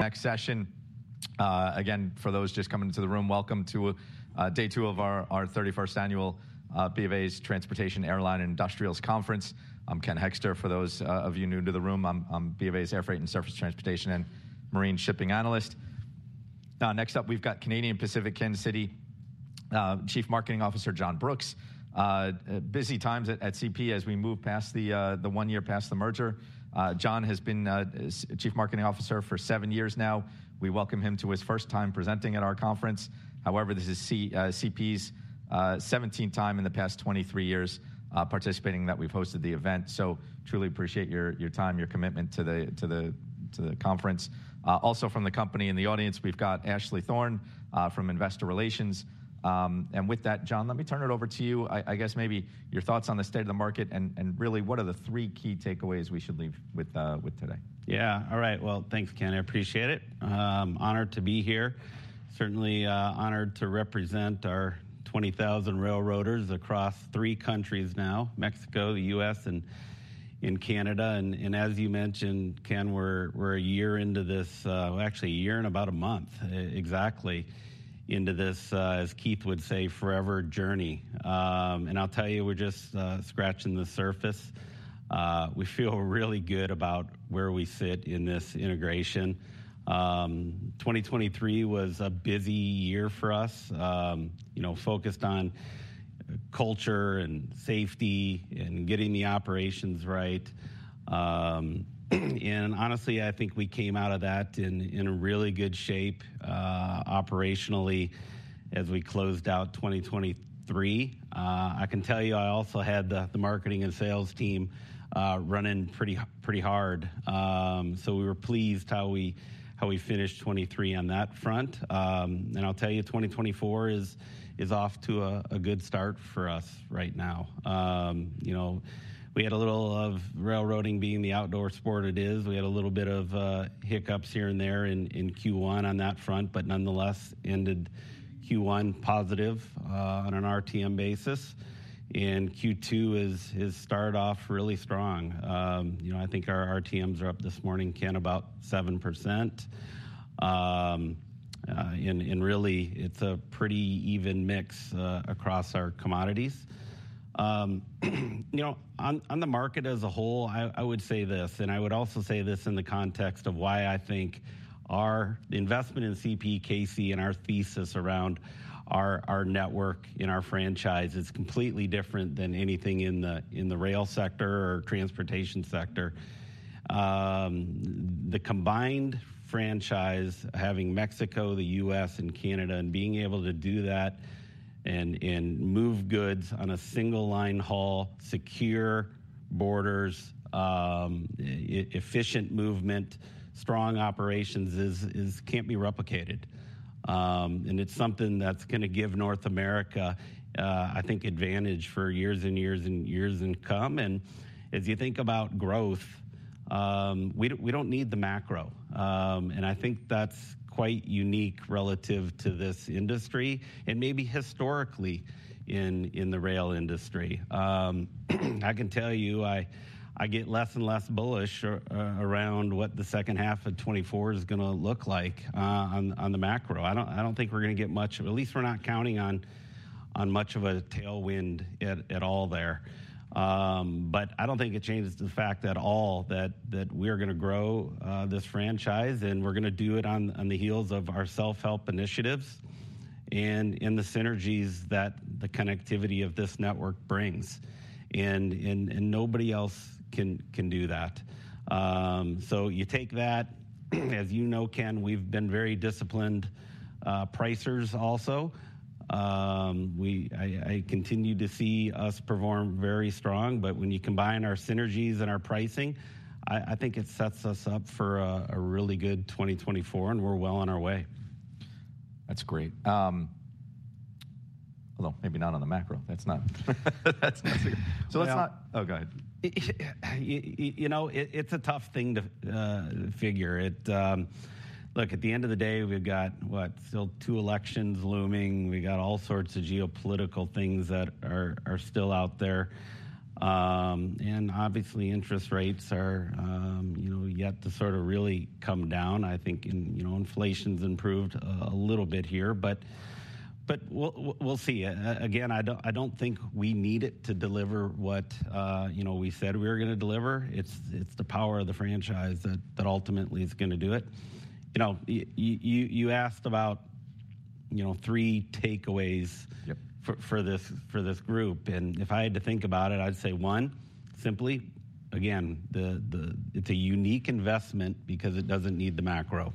Next session. Again, for those just coming into the room, welcome to day two of our 31st annual BofA's Transportation, Airline, and Industrials Conference. I'm Ken Hoexter, for those of you new to the room. I'm BofA's Air Freight and Surface Transportation and Marine Shipping Analyst. Next up, we've got Canadian Pacific Kansas City Chief Marketing Officer John Brooks. Busy times at CP as we move past the one year past the merger. John has been Chief Marketing Officer for seven years now. We welcome him to his first time presenting at our conference. However, this is CP's 17th time in the past 23 years participating that we've hosted the event. So truly appreciate your time, your commitment to the conference. Also from the company in the audience, we've got Ashley Thorne from Investor Relations. And with that, John, let me turn it over to you. I guess maybe your thoughts on the state of the market and really what are the three key takeaways we should leave with today? Yeah. All right. Well, thanks, Ken. I appreciate it. Honored to be here. Certainly honored to represent our 20,000 railroaders across three countries now, Mexico, the U.S., and Canada. And as you mentioned, Ken, we're a year into this actually, a year and about a month exactly into this, as Keith would say, forever journey. And I'll tell you, we're just scratching the surface. We feel really good about where we sit in this integration. 2023 was a busy year for us, focused on culture and safety and getting the operations right. And honestly, I think we came out of that in really good shape operationally as we closed out 2023. I can tell you, I also had the marketing and sales team running pretty hard. So we were pleased how we finished 2023 on that front. I'll tell you, 2024 is off to a good start for us right now. We had a little of railroading being the outdoor sport it is. We had a little bit of hiccups here and there in Q1 on that front, but nonetheless ended Q1 positive on an RTM basis. Q2 has started off really strong. I think our RTMs are up this morning, Ken, about 7%. Really, it's a pretty even mix across our commodities. On the market as a whole, I would say this. I would also say this in the context of why I think our investment in CPKC and our thesis around our network in our franchise is completely different than anything in the rail sector or transportation sector. The combined franchise, having Mexico, the U.S., and Canada, and being able to do that and move goods on a single line haul, secure borders, efficient movement, strong operations can't be replicated. It's something that's going to give North America, I think, advantage for years and years and years to come. As you think about growth, we don't need the macro. I think that's quite unique relative to this industry and maybe historically in the rail industry. I can tell you, I get less and less bullish around what the second half of 2024 is going to look like on the macro. I don't think we're going to get much; at least we're not counting on much of a tailwind at all there. I don't think it changes the fact at all that we're going to grow this franchise. We're going to do it on the heels of our self-help initiatives and the synergies that the connectivity of this network brings. Nobody else can do that. You take that. As you know, Ken, we've been very disciplined pricers also. I continue to see us perform very strong. But when you combine our synergies and our pricing, I think it sets us up for a really good 2024. We're well on our way. That's great. Although maybe not on the macro. That's not. So let's not. Oh, go ahead. It's a tough thing to figure. Look, at the end of the day, we've got, what, still two elections looming. We've got all sorts of geopolitical things that are still out there. And obviously, interest rates are yet to sort of really come down. I think inflation's improved a little bit here. But we'll see. Again, I don't think we need it to deliver what we said we were going to deliver. It's the power of the franchise that ultimately is going to do it. You asked about three takeaways for this group. And if I had to think about it, I'd say one, simply, again, it's a unique investment because it doesn't need the macro.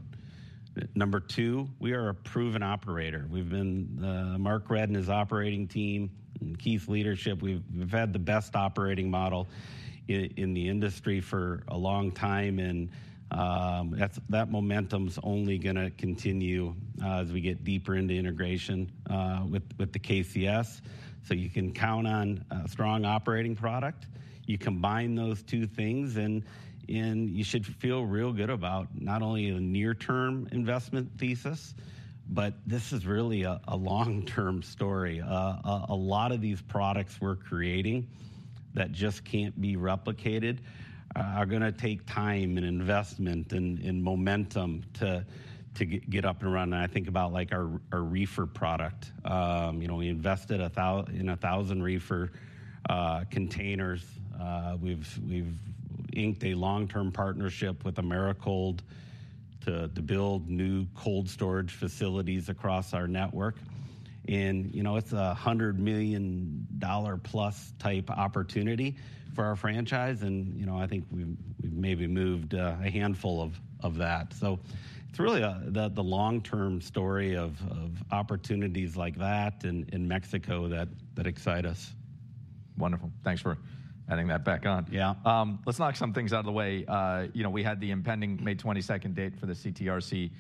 Number two, we are a proven operator. Mark Redd and his operating team and Keith's leadership, we've had the best operating model in the industry for a long time. That momentum's only going to continue as we get deeper into integration with the KCS. So you can count on a strong operating product. You combine those two things. You should feel real good about not only the near-term investment thesis, but this is really a long-term story. A lot of these products we're creating that just can't be replicated are going to take time and investment and momentum to get up and run. I think about our reefer product. We invested in 1,000 reefer containers. We've inked a long-term partnership with Americold to build new cold storage facilities across our network. It's a $100 million plus type opportunity for our franchise. I think we've maybe moved a handful of that. It's really the long-term story of opportunities like that in Mexico that excite us. Wonderful. Thanks for adding that back on. Let's knock some things out of the way. We had the impending May 22nd date for the TCRC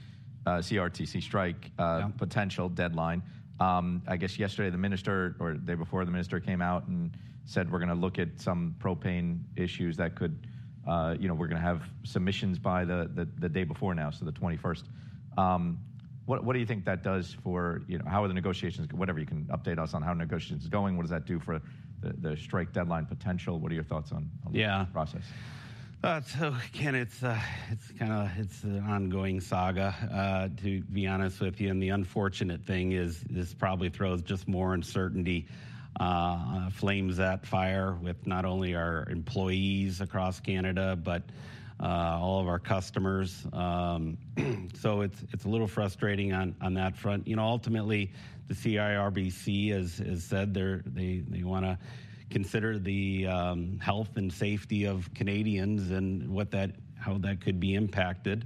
strike potential deadline. I guess yesterday, the minister or the day before, the minister came out and said, we're going to look at some propane issues that could we're going to have submissions by the day before now, so the 21st. What do you think that does for how are the negotiations whatever, you can update us on how negotiations are going. What does that do for the strike deadline potential? What are your thoughts on the process? Yeah. So Ken, it's kind of an ongoing saga, to be honest with you. And the unfortunate thing is this probably throws just more uncertainty, flames that fire with not only our employees across Canada but all of our customers. So it's a little frustrating on that front. Ultimately, the CIRB, as said, they want to consider the health and safety of Canadians and how that could be impacted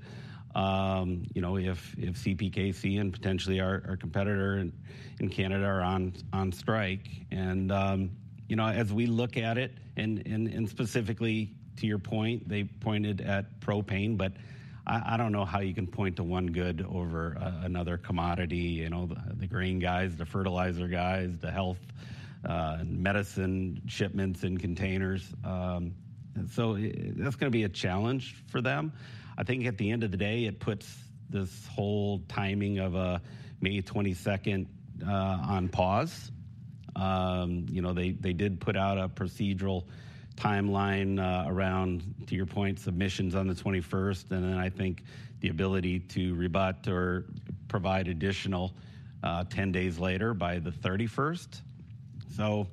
if CPKC and potentially our competitor in Canada are on strike. And as we look at it, and specifically to your point, they pointed at propane. But I don't know how you can point to one good over another commodity, the grain guys, the fertilizer guys, the health medicine shipments and containers. So that's going to be a challenge for them. I think at the end of the day, it puts this whole timing of May 22nd on pause. They did put out a procedural timeline around, to your point, submissions on the 21st. And then I think the ability to rebut or provide additional, 10 days later by the 31st. So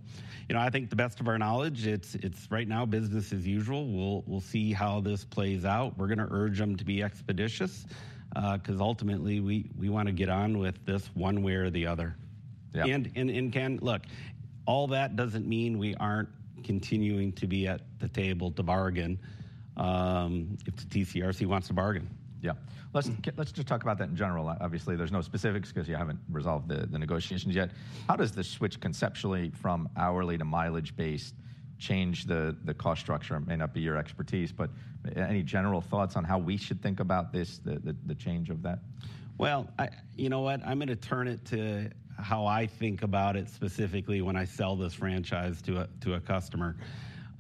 I think to the best of our knowledge, it's right now business as usual. We'll see how this plays out. We're going to urge them to be expeditious because ultimately, we want to get on with this one way or the other. And Ken, look, all that doesn't mean we aren't continuing to be at the table to bargain if the TCRC wants to bargain. Yeah. Let's just talk about that in general. Obviously, there's no specifics because you haven't resolved the negotiations yet. How does this switch conceptually from hourly to mileage-based change the cost structure? It may not be your expertise. But any general thoughts on how we should think about this, the change of that? Well, you know what? I'm going to turn it to how I think about it specifically when I sell this franchise to a customer.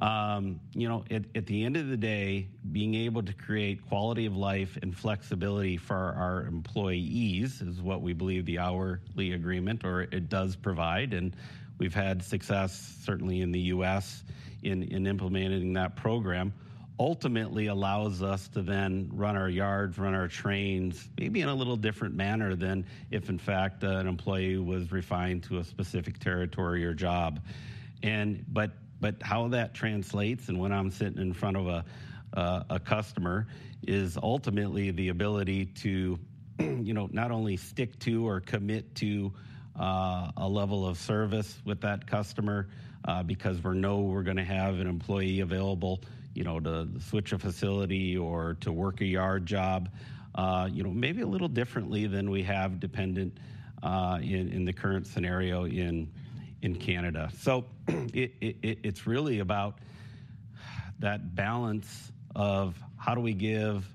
At the end of the day, being able to create quality of life and flexibility for our employees is what we believe the hourly agreement or it does provide. We've had success, certainly in the U.S., in implementing that program. Ultimately, it allows us to then run our yards, run our trains maybe in a little different manner than if, in fact, an employee was confined to a specific territory or job. But how that translates and when I'm sitting in front of a customer is ultimately the ability to not only stick to or commit to a level of service with that customer because we know we're going to have an employee available to switch a facility or to work a yard job maybe a little differently than we have dependent in the current scenario in Canada. So it's really about that balance of how do we give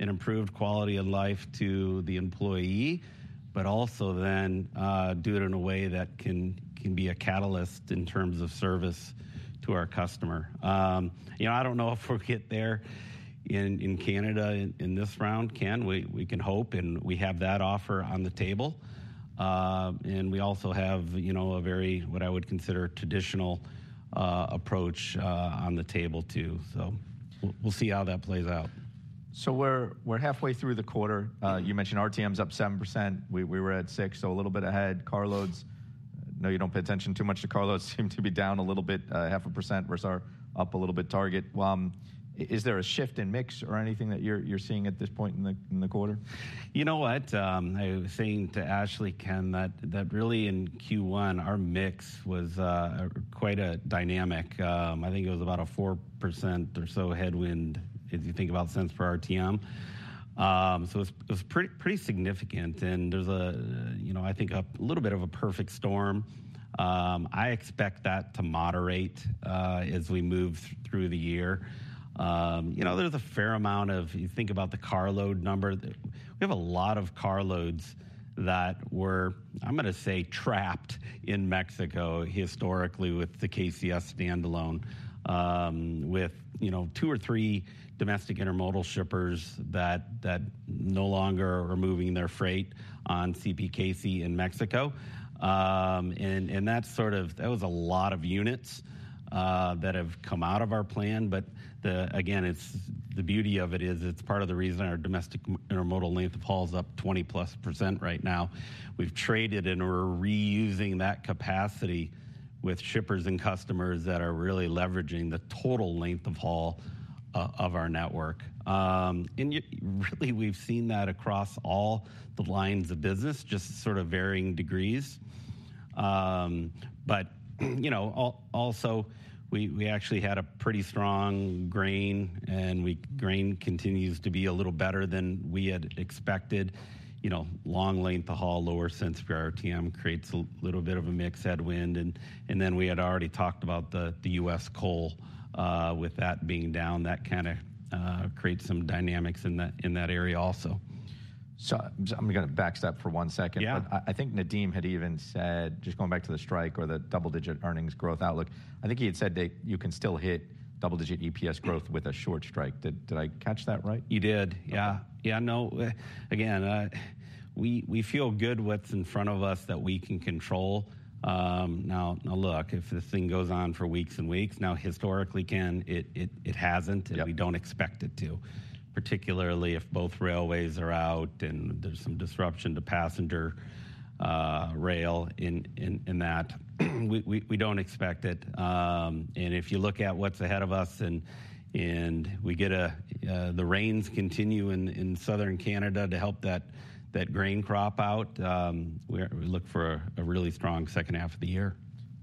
an improved quality of life to the employee but also then do it in a way that can be a catalyst in terms of service to our customer. I don't know if we'll get there in Canada in this round, Ken. We can hope. And we have that offer on the table. And we also have a very what I would consider traditional approach on the table, too. So we'll see how that plays out. So we're halfway through the quarter. You mentioned RTMs up 7%. We were at 6%, so a little bit ahead. Carloads, no, you don't pay attention too much to carloads, seem to be down a little bit, 0.5% versus our up a little bit target. Is there a shift in mix or anything that you're seeing at this point in the quarter? You know what? I was saying to Ashley, Ken, that really in Q1, our mix was quite a dynamic. I think it was about a 4% or so headwind, if you think about cents per RTM. So it was pretty significant. And there's a, I think, a little bit of a perfect storm. I expect that to moderate as we move through the year. There's a fair amount of, if you think about the carload number, we have a lot of carloads that were, I'm going to say, trapped in Mexico historically with the KCS standalone with two or three domestic intermodal shippers that no longer are moving their freight on CPKC in Mexico. And that was a lot of units that have come out of our plan. But again, the beauty of it is it's part of the reason our domestic intermodal length of haul is up 20%+ right now. We've traded and we're reusing that capacity with shippers and customers that are really leveraging the total length of haul of our network. And really, we've seen that across all the lines of business, just sort of varying degrees. But also, we actually had a pretty strong grain. And grain continues to be a little better than we had expected. Long length of haul, lower cents per RTM creates a little bit of a mixed headwind. And then we had already talked about the U.S. coal. With that being down, that kind of creates some dynamics in that area also. I'm going to backstep for one second. But I think Nadeem had even said just going back to the strike or the double-digit earnings growth outlook, I think he had said that you can still hit double-digit EPS growth with a short strike. Did I catch that right? You did. Yeah. Yeah. No. Again, we feel good what's in front of us that we can control. Now look, if this thing goes on for weeks and weeks, now historically, Ken, it hasn't. And we don't expect it to, particularly if both railways are out and there's some disruption to passenger rail in that. We don't expect it. And if you look at what's ahead of us and we get the rains continue in southern Canada to help that grain crop out, we look for a really strong second half of the year.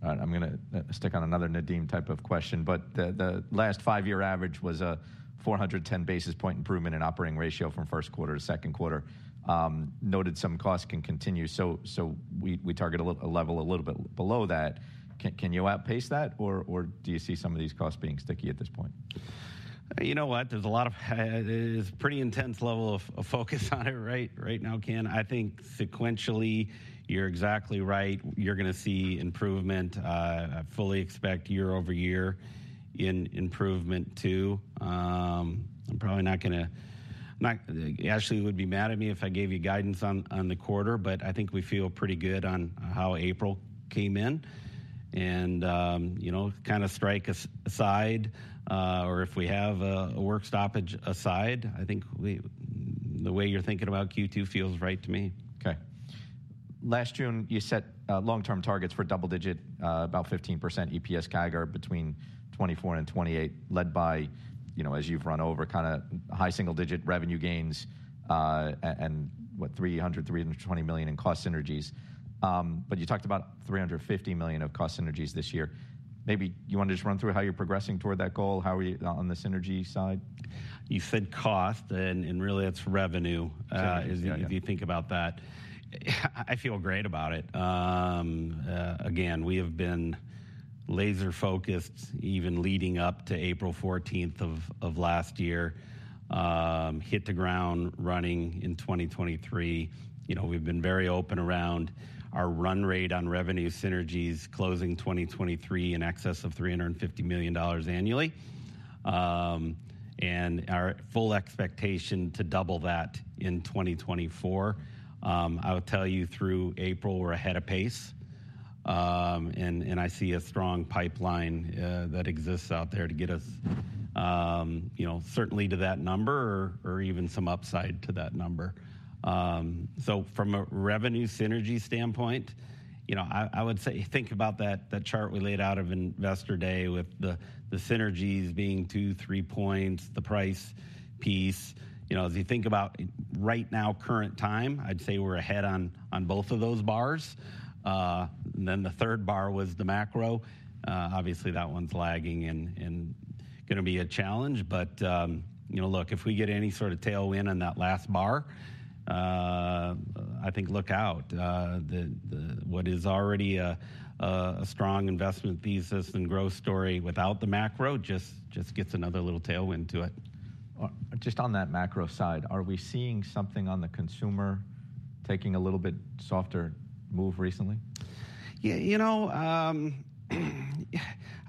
All right. I'm going to stick on another Nadeem type of question. But the last five-year average was a 410 basis point improvement in operating ratio from first quarter to second quarter. Noted some costs can continue. So we target a level a little bit below that. Can you outpace that? Or do you see some of these costs being sticky at this point? You know what? There's a lot of it. It's a pretty intense level of focus on it right now, Ken. I think sequentially, you're exactly right. You're going to see improvement. I fully expect year-over-year in improvement, too. I'm probably not going to. Ashley would be mad at me if I gave you guidance on the quarter. But I think we feel pretty good on how April came in. And kind of strike aside or if we have a work stoppage aside, I think the way you're thinking about Q2 feels right to me. OK. Last June, you set long-term targets for double-digit, about 15% EPS CAGR between 2024 and 2028, led by, as you've run over, kind of high single-digit revenue gains and, what, $300 million, $320 million in cost synergies. But you talked about $350 million of cost synergies this year. Maybe you want to just run through how you're progressing toward that goal, how are you on the synergy side? You said cost. Really, it's revenue, if you think about that. I feel great about it. Again, we have been laser-focused even leading up to April 14th of last year, hit the ground running in 2023. We've been very open around our run rate on revenue synergies closing 2023 in excess of 350 million dollars annually and our full expectation to double that in 2024. I will tell you, through April, we're ahead of pace. I see a strong pipeline that exists out there to get us certainly to that number or even some upside to that number. So from a revenue synergy standpoint, I would say think about that chart we laid out of Investor Day with the synergies being 2-3 points, the price piece. As you think about right now, current time, I'd say we're ahead on both of those bars. Then the third bar was the macro. Obviously, that one's lagging and going to be a challenge. But look, if we get any sort of tailwind on that last bar, I think look out. What is already a strong investment thesis and growth story without the macro just gets another little tailwind to it. Just on that macro side, are we seeing something on the consumer taking a little bit softer move recently? Yeah. You know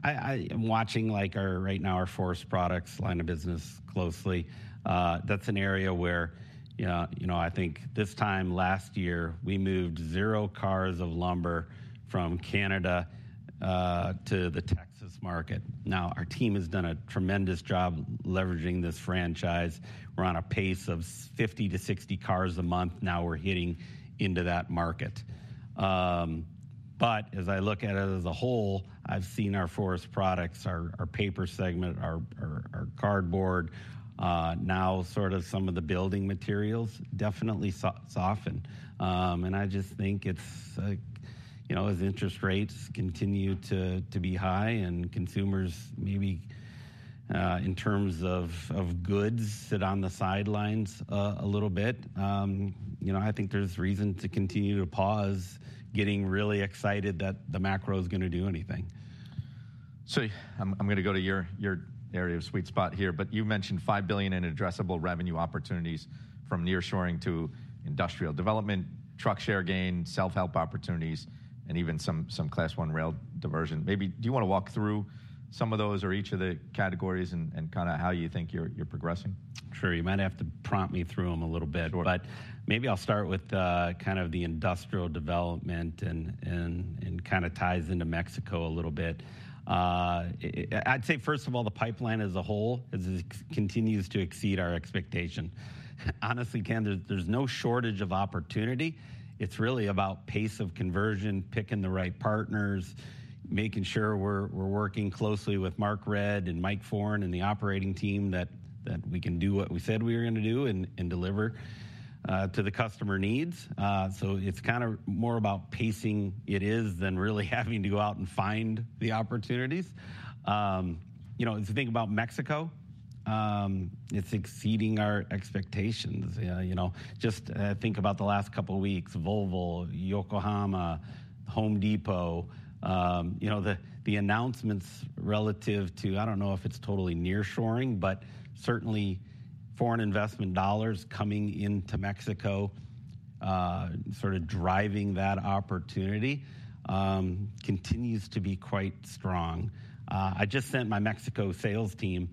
I'm watching right now our forest products line of business closely. That's an area where I think this time last year, we moved zero cars of lumber from Canada to the Texas market. Now, our team has done a tremendous job leveraging this franchise. We're on a pace of 50-60 cars a month. Now we're hitting into that market. But as I look at it as a whole, I've seen our forest products, our paper segment, our cardboard, now sort of some of the building materials definitely soften. And I just think it's as interest rates continue to be high and consumers maybe, in terms of goods, sit on the sidelines a little bit, I think there's reason to continue to pause getting really excited that the macro is going to do anything. So I'm going to go to your area of sweet spot here. But you mentioned $5 billion in addressable revenue opportunities from nearshoring to industrial development, truck share gain, self-help opportunities, and even some Class 1 rail diversion. Maybe do you want to walk through some of those or each of the categories and kind of how you think you're progressing? Sure. You might have to prompt me through them a little bit. But maybe I'll start with kind of the industrial development. It kind of ties into Mexico a little bit. I'd say, first of all, the pipeline as a whole continues to exceed our expectation. Honestly, Ken, there's no shortage of opportunity. It's really about pace of conversion, picking the right partners, making sure we're working closely with Mark Redd and Mike Foran and the operating team that we can do what we said we were going to do and deliver to the customer needs. It's kind of more about pacing it than really having to go out and find the opportunities. As you think about Mexico, it's exceeding our expectations. Just think about the last couple of weeks, Volvo, Yokohama, Home Depot, the announcements relative to I don't know if it's totally nearshoring. But certainly, foreign investment dollars coming into Mexico, sort of driving that opportunity, continues to be quite strong. I just sent my Mexico sales team.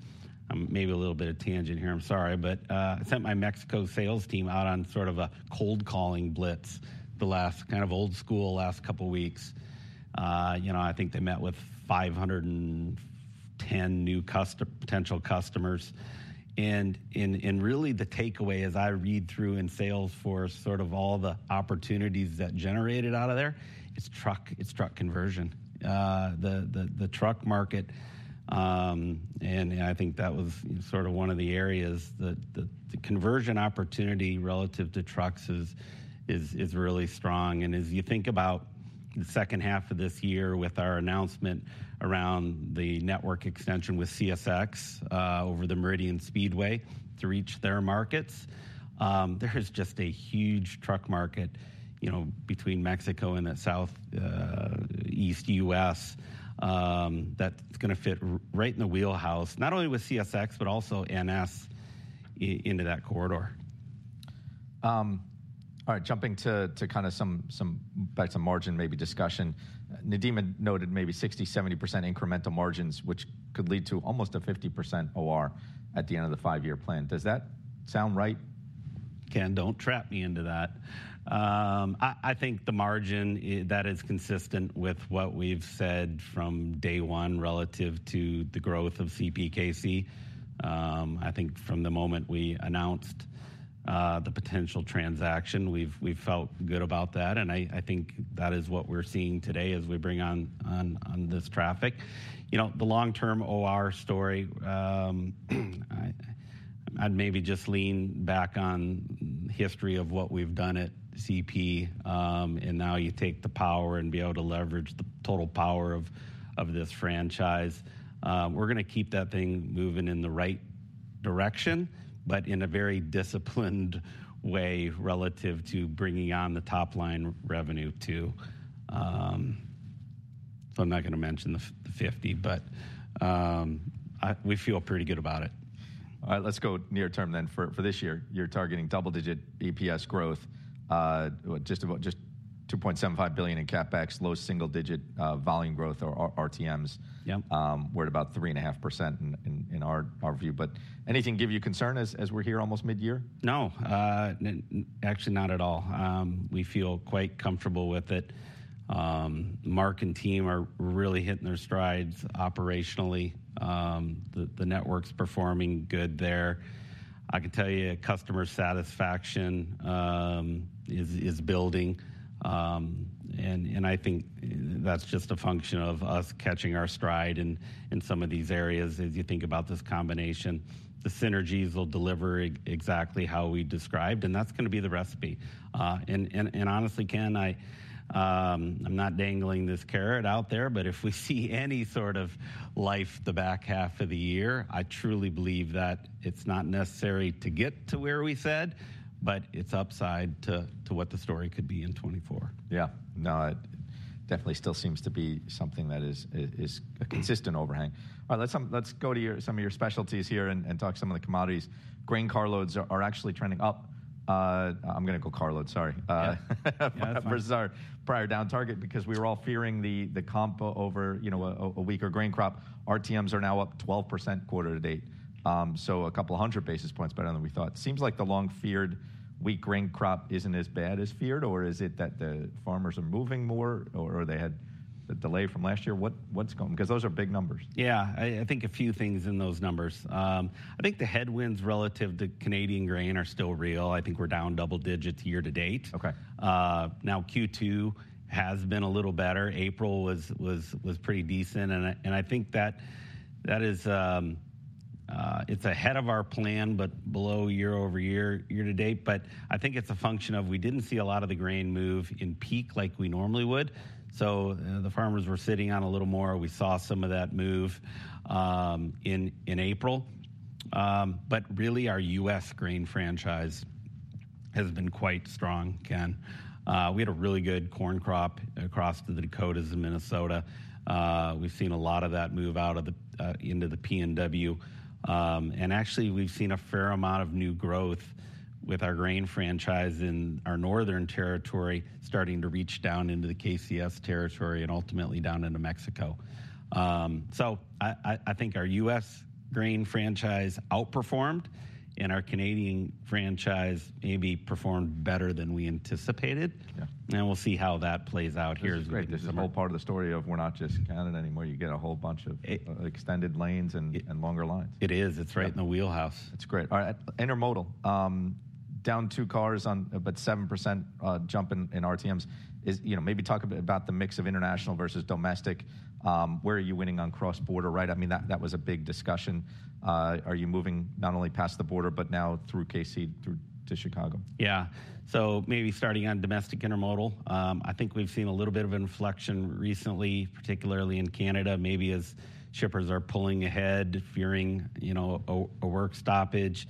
I'm maybe a little bit of a tangent here. I'm sorry. But I sent my Mexico sales team out on sort of a cold calling blitz the last kind of old school last couple of weeks. I think they met with 510 new potential customers. And really, the takeaway, as I read through in sales for sort of all the opportunities that generated out of there, it's truck conversion, the truck market. And I think that was sort of one of the areas that the conversion opportunity relative to trucks is really strong. As you think about the second half of this year with our announcement around the network extension with CSX over the Meridian Speedway to reach their markets, there is just a huge truck market between Mexico and that southeast U.S. that's going to fit right in the wheelhouse, not only with CSX but also NS into that corridor. All right. Jumping to kind of some back to margin maybe discussion, Nadeem had noted maybe 60%, 70% incremental margins, which could lead to almost a 50% OR at the end of the five-year plan. Does that sound right? Ken, don't trap me into that. I think the margin that is consistent with what we've said from day one relative to the growth of CPKC. I think from the moment we announced the potential transaction, we've felt good about that. And I think that is what we're seeing today as we bring on this traffic. The long-term OR story, I'd maybe just lean back on the history of what we've done at CP. And now you take the power and be able to leverage the total power of this franchise. We're going to keep that thing moving in the right direction but in a very disciplined way relative to bringing on the top line revenue, too. So I'm not going to mention the 50. But we feel pretty good about it. All right. Let's go near-term then for this year. You're targeting double-digit EPS growth, just about just $2.75 billion in CapEx, low single-digit volume growth or RTMs. We're at about 3.5% in our view. But anything give you concern as we're here almost mid-year? No. Actually, not at all. We feel quite comfortable with it. Mark and team are really hitting their strides operationally. The network's performing good there. I can tell you customer satisfaction is building. And I think that's just a function of us catching our stride in some of these areas as you think about this combination. The synergies will deliver exactly how we described. And that's going to be the recipe. And honestly, Ken, I'm not dangling this carrot out there. But if we see any sort of life the back half of the year, I truly believe that it's not necessary to get to where we said. But it's upside to what the story could be in 2024. Yeah. No. It definitely still seems to be something that is a consistent overhang. All right. Let's go to some of your specialties here and talk some of the commodities. Grain carloads are actually trending up. I'm going to go carload. Sorry. Prior down target because we were all fearing the comp over a weaker grain crop. RTMs are now up 12% quarter to date, so a couple of hundred basis points better than we thought. Seems like the long-feared weak grain crop isn't as bad as feared. Or is it that the farmers are moving more? Or they had the delay from last year. What's going on? Because those are big numbers. Yeah. I think a few things in those numbers. I think the headwinds relative to Canadian grain are still real. I think we're down double digits year-to-date. Now Q2 has been a little better. April was pretty decent. And I think that is it's ahead of our plan but below year-over-year year-to-date. But I think it's a function of we didn't see a lot of the grain move in peak like we normally would. So the farmers were sitting on a little more. We saw some of that move in April. But really, our U.S. grain franchise has been quite strong, Ken. We had a really good corn crop across the Dakotas and Minnesota. We've seen a lot of that move out into the PNW. Actually, we've seen a fair amount of new growth with our grain franchise in our northern territory starting to reach down into the KCS territory and ultimately down into Mexico. I think our U.S. grain franchise outperformed. Our Canadian franchise maybe performed better than we anticipated. We'll see how that plays out here as we go. That's great. This is a whole part of the story of we're not just Canada anymore. You get a whole bunch of extended lanes and longer lines. It is. It's right in the wheelhouse. That's great. All right. Intermodal, down two cars but 7% jump in RTMs. Maybe talk about the mix of international versus domestic. Where are you winning on cross-border? I mean, that was a big discussion. Are you moving not only past the border but now through KC to Chicago? Yeah. So maybe starting on domestic intermodal, I think we've seen a little bit of inflection recently, particularly in Canada, maybe as shippers are pulling ahead, fearing a work stoppage.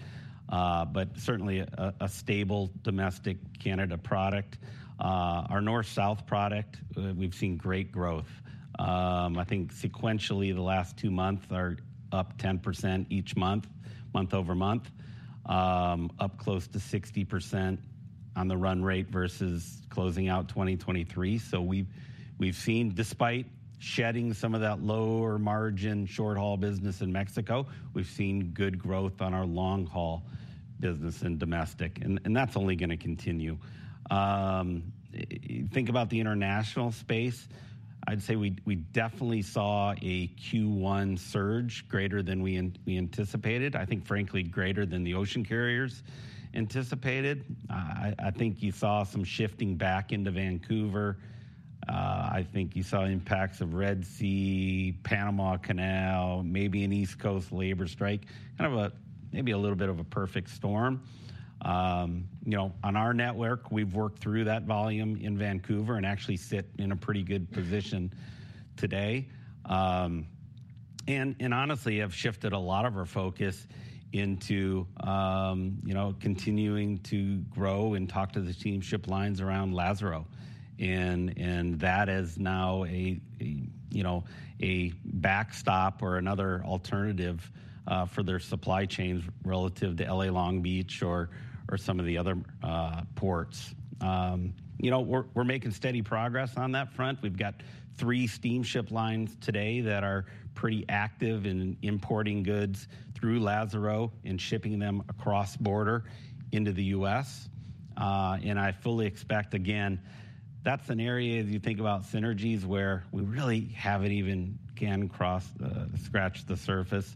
But certainly, a stable domestic Canada product. Our north-south product, we've seen great growth. I think sequentially, the last two months are up 10% each month, month-over-month, up close to 60% on the run rate versus closing out 2023. So we've seen, despite shedding some of that lower margin short-haul business in Mexico, we've seen good growth on our long-haul business in domestic. And that's only going to continue. Think about the international space. I'd say we definitely saw a Q1 surge greater than we anticipated, I think, frankly, greater than the ocean carriers anticipated. I think you saw some shifting back into Vancouver. I think you saw impacts of Red Sea, Panama Canal, maybe an East Coast labor strike, kind of maybe a little bit of a perfect storm. On our network, we've worked through that volume in Vancouver and actually sit in a pretty good position today. And honestly, have shifted a lot of our focus into continuing to grow and talk to the steamship lines around Lázaro. And that is now a backstop or another alternative for their supply chains relative to LA Long Beach or some of the other ports. We're making steady progress on that front. We've got three steamship lines today that are pretty active in importing goods through Lázaro and shipping them across border into the U.S. And I fully expect, again, that's an area as you think about synergies where we really haven't even, Ken, scratched the surface.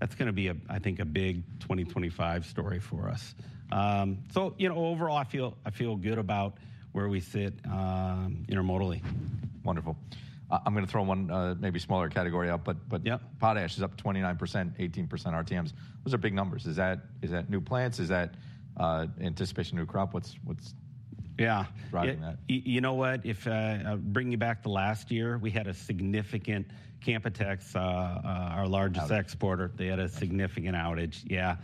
That's going to be, I think, a big 2025 story for us. So overall, I feel good about where we sit intermodally. Wonderful. I'm going to throw one maybe smaller category out. Potash is up 29%, 18% RTMs. Those are big numbers. Is that new plants? Is that anticipation of new crop? What's driving that? Yeah. You know what? If I'm bringing you back to last year, we had a significant Canpotex, our largest exporter. They had a significant outage. Yeah.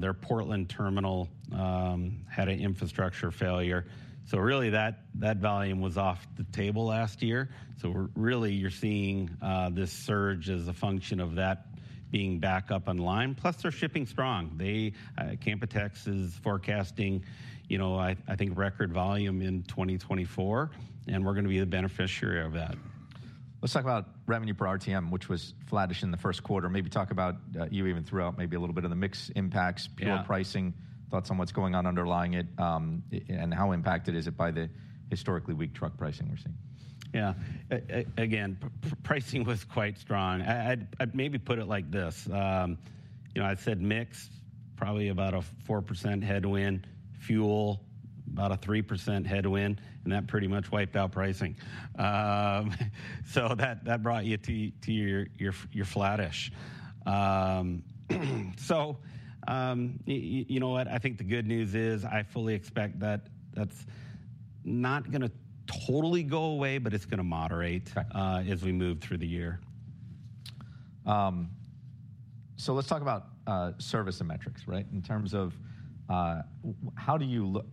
Their Portland terminal had an infrastructure failure. So really, that volume was off the table last year. So really, you're seeing this surge as a function of that being back up on line. Plus, they're shipping strong. Canpotex is forecasting, I think, record volume in 2024. And we're going to be the beneficiary of that. Let's talk about revenue per RTM, which was flatish in the first quarter. Maybe talk about you even threw out maybe a little bit of the mixed impacts, pure pricing, thoughts on what's going on underlying it, and how impacted is it by the historically weak truck pricing we're seeing? Yeah. Again, pricing was quite strong. I'd maybe put it like this. I said mixed, probably about a 4% headwind, fuel, about a 3% headwind. And that pretty much wiped out pricing. So that brought you to your flatish. So you know what? I think the good news is I fully expect that that's not going to totally go away. But it's going to moderate as we move through the year. So let's talk about service and metrics, right, in terms of how do you look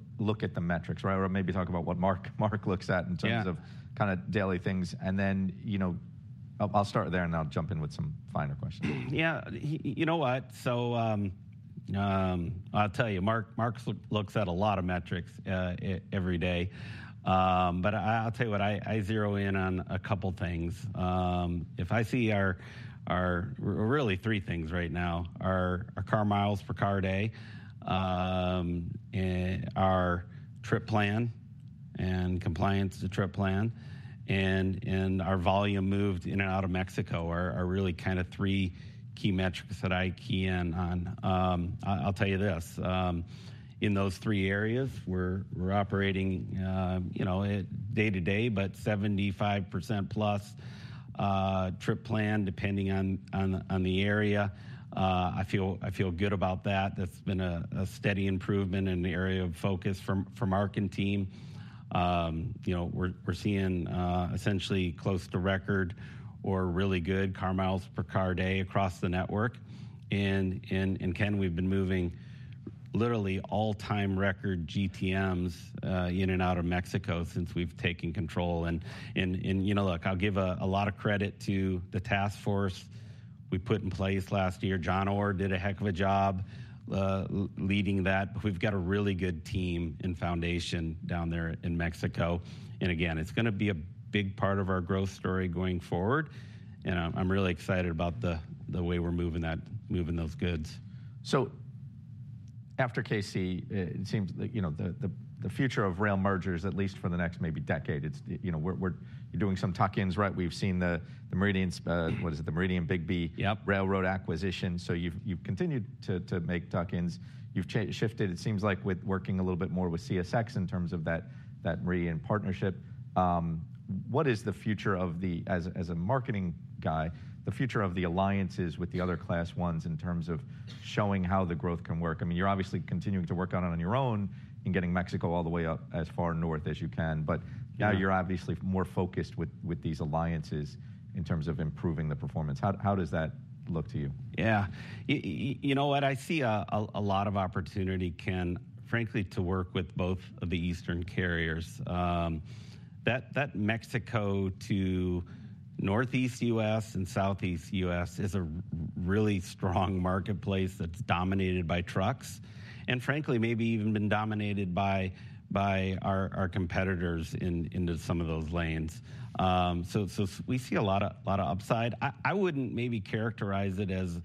at the metrics, right? Or maybe talk about what Mark looks at in terms of kind of daily things. And then I'll start there. And I'll jump in with some finer questions. Yeah. You know what? So I'll tell you, Mark looks at a lot of metrics every day. But I'll tell you what? I zero in on a couple of things. If I see our really three things right now, our car miles per car day, our trip plan and compliance to trip plan, and our volume moved in and out of Mexico are really kind of three key metrics that I key in on. I'll tell you this. In those three areas, we're operating day to day. But 75% plus trip plan depending on the area. I feel good about that. That's been a steady improvement in the area of focus for Mark and team. We're seeing essentially close to record or really good car miles per car day across the network. And Ken, we've been moving literally all-time record GTMs in and out of Mexico since we've taken control. And look, I'll give a lot of credit to the task force we put in place last year. John Orr did a heck of a job leading that. But we've got a really good team and foundation down there in Mexico. And again, it's going to be a big part of our growth story going forward. And I'm really excited about the way we're moving those goods. So after KC, it seems like the future of rail mergers, at least for the next maybe decade, you're doing some tuck-ins, right? We've seen the Meridian—what is it?—the Meridian & Bigbee Railroad acquisition. So you've continued to make tuck-ins. You've shifted, it seems like, with working a little bit more with CSX in terms of that Meridian partnership. What is the future of the—as a marketing guy—the future of the alliances with the other class ones in terms of showing how the growth can work? I mean, you're obviously continuing to work on it on your own and getting Mexico all the way up as far north as you can. But now you're obviously more focused with these alliances in terms of improving the performance. How does that look to you? Yeah. You know what? I see a lot of opportunity, Ken, frankly, to work with both of the eastern carriers. That Mexico to Northeast U.S. and Southeast U.S. is a really strong marketplace that's dominated by trucks and frankly, maybe even been dominated by our competitors into some of those lanes. So we see a lot of upside. I wouldn't maybe characterize it as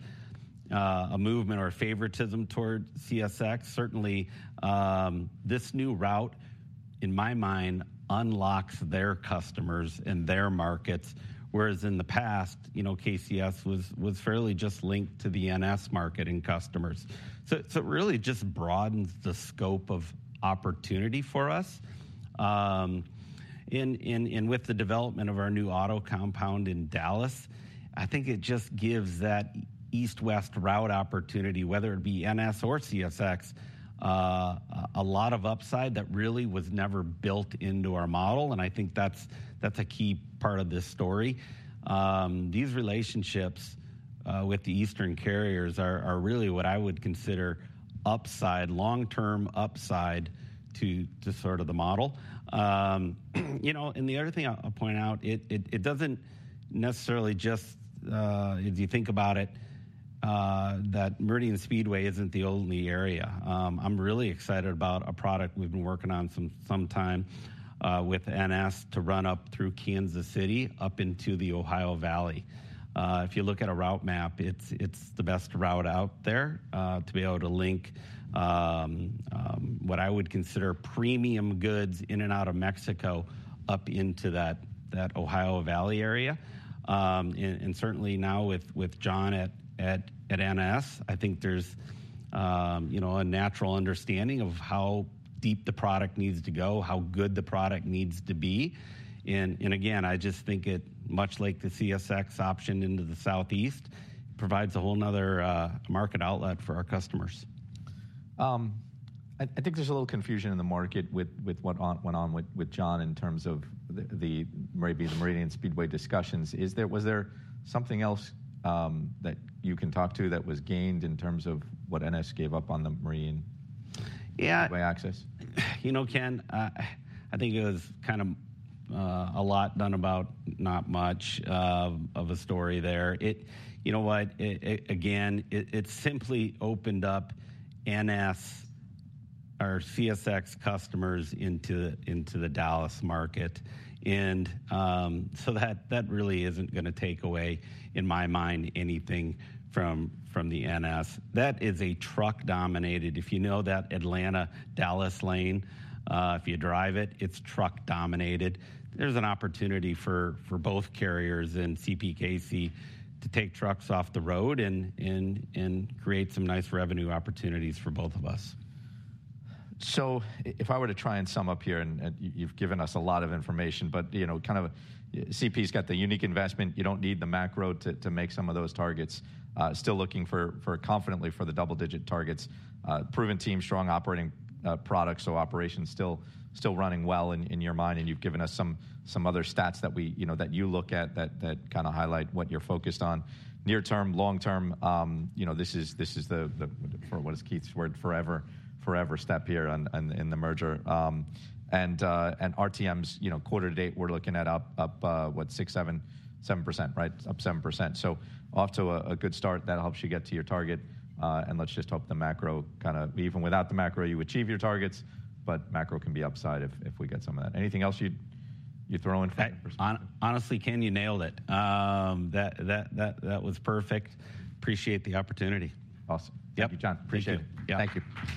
a movement or a favoritism toward CSX. Certainly, this new route, in my mind, unlocks their customers and their markets. Whereas in the past, KCS was fairly just linked to the NS marketing customers. So it really just broadens the scope of opportunity for us. And with the development of our new auto compound in Dallas, I think it just gives that east-west route opportunity, whether it be NS or CSX, a lot of upside that really was never built into our model. I think that's a key part of this story. These relationships with the eastern carriers are really what I would consider upside, long-term upside to sort of the model. The other thing I'll point out, it doesn't necessarily just as you think about it, that Meridian Speedway isn't the only area. I'm really excited about a product we've been working on some time with NS to run up through Kansas City up into the Ohio Valley. If you look at a route map, it's the best route out there to be able to link what I would consider premium goods in and out of Mexico up into that Ohio Valley area. Certainly now with John at NS, I think there's a natural understanding of how deep the product needs to go, how good the product needs to be. Again, I just think it, much like the CSX option into the Southeast, provides a whole nother market outlet for our customers. I think there's a little confusion in the market with what went on with John in terms of maybe the Meridian Speedway discussions. Was there something else that you can talk to that was gained in terms of what NS gave up on the Meridian Speedway access? Yeah. You know, Ken, I think it was kind of a lot done about not much of a story there. You know what? Again, it simply opened up NS or CSX customers into the Dallas market. And so that really isn't going to take away, in my mind, anything from the NS. That is a truck-dominated if you know that Atlanta-Dallas lane, if you drive it, it's truck-dominated. There's an opportunity for both carriers and CPKC to take trucks off the road and create some nice revenue opportunities for both of us. So if I were to try and sum up here, and you've given us a lot of information, but kind of CP's got the unique investment. You don't need the macro to make some of those targets. Still looking confidently for the double-digit targets, proven team, strong operating product. So operations still running well, in your mind. And you've given us some other stats that you look at that kind of highlight what you're focused on. Near term, long term, this is the what is Keith's word? Forever, forever step here in the merger. And RTMs, quarter to date, we're looking at up, what, 6%, 7%, right? Up 7%. So off to a good start. That helps you get to your target. And let's just hope the macro kind of even without the macro, you achieve your targets. But macro can be upside if we get some of that. Anything else you'd throw in for? Honestly, Ken, you nailed it. That was perfect. Appreciate the opportunity. Awesome. Thank you, John. Appreciate it. Thank you. Yeah. Thank you.